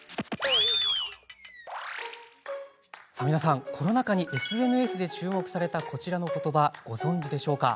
皆さん、コロナ禍にＳＮＳで注目されたこちらのことばをご存じですか？